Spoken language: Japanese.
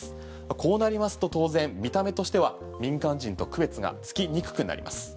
こうなりますと当然見た目としては民間人と区別がつきにくくなります。